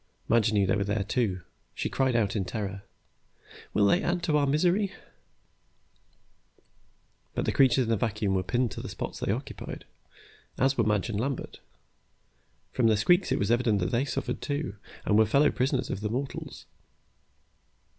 Madge knew they were there, too. She cried out in terror, "Will they add to our misery?" But the creatures in the vacuum were pinned to the spots they occupied, as were Madge and Lambert. From their squeaks it was evident they suffered, too, and were fellow prisoners of the mortals.